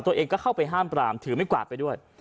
ตัวเองก็เข้าไปห้ามปรามถือไม่กวาดไปด้วย